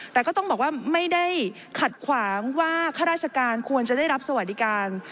แต่ก็ต้องบอกว่าไม่ได้ขัดขวางว่าข้าราชการควรจะได้รับสวัสดิการ